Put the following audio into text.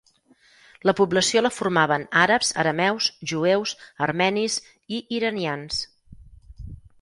La població la formaven àrabs, arameus, jueus, armenis i iranians.